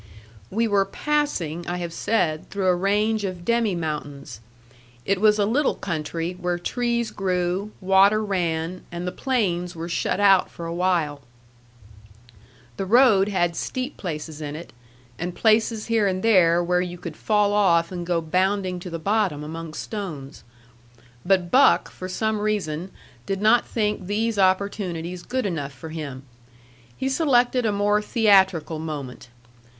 We were passing, I have said, through a range of demi mountains. It was a little country where trees grew, water ran, and the plains were shut out for a while. The road had steep places in it, and places here and there where you could fall off and go bounding to the bottom among stones. But Buck, for some reason, did not think these opportunities good enough for him. He selected a more theatrical moment.